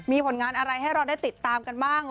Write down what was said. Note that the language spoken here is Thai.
มีผลงานอะไรให้เราได้ติดตามกันบ้าง